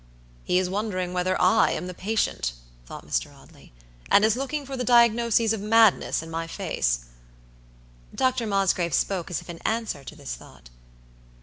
"He is wondering whether I am the patient," thought Mr. Audley, "and is looking for the diagnoses of madness in my face." Dr. Mosgrave spoke as if in answer to this thought.